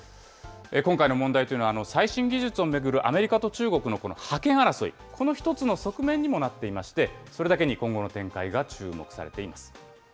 今回の問題というのは最新技術を巡るアメリカと中国のこの覇権争い、この一つの側面にもなっていまして、それだけに今後の展開が注目されています。